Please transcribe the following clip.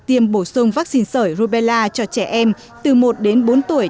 tiêm bổ sung vaccine sởi rubella cho trẻ em từ một đến bốn tuổi